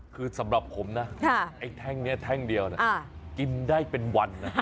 คือสำหรับผมนะไอ้แท่งนี้แท่งเดียวกินได้เป็นวันนะ